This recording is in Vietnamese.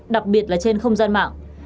đặc biệt là chản lan trên thị trường